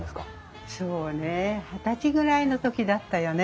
そうねえ二十歳ぐらいの時だったよね？